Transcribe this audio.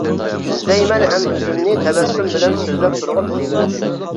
ئىزدەيمەن ھەم ئۆزۈمنى تەبەسسۇم بىلەن سۆزلەپ تۇرغان لېۋىڭدىن.